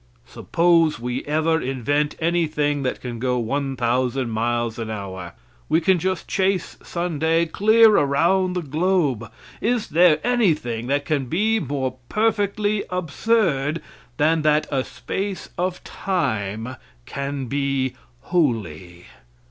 Suppose we ever invent any thing that can go 1,000 miles an hour? We can just chase Sunday clear around the globe. Is there anything that can be more perfectly absurd than that a space of time can be holy!